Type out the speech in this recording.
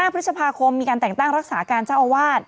พฤษภาคมมีการแต่งตั้งรักษาการเจ้าอาวาส